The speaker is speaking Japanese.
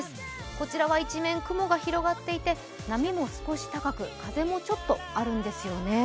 こちらは一面雲が広がっていて波も少し高く、風もちょっとあるんですよね。